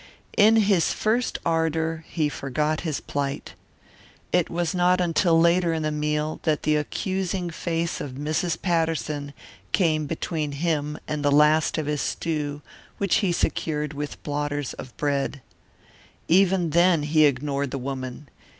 In his first ardour he forgot his plight. It was not until later in the meal that the accusing face of Mrs. Patterson came between him and the last of his stew which he secured with blotters of bread. Even then he ignored the woman.